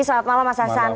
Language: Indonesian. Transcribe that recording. selamat malam mas hasan